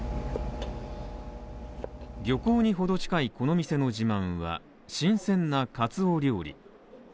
漁港にほど近いこの店の自慢は、新鮮なカツオ料理